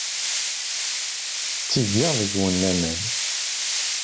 Ttgeɣ deg-wen laman.